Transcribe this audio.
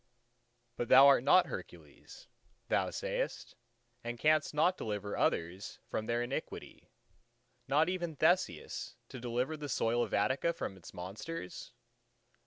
But thou art not Hercules, thou sayest, and canst not deliver others from their iniquity—not even Theseus, to deliver the soil of Attica from its monsters?